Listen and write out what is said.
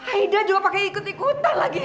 aida juga pakai ikut ikutan lagi